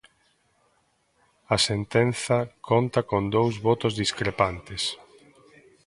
A sentenza conta con dous votos discrepantes.